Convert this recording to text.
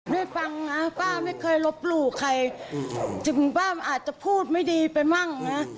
ได้ฟังนะป้าไม่เคยลบหลู่ใครถึงป้ามันอาจจะพูดไม่ดีไปมั่งนะ